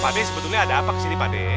pak de sebetulnya ada apa kesini pak de